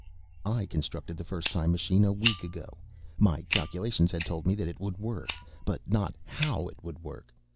"I constructed the first time machine a week ago. My calculations had told me that it would work, but not how it would work.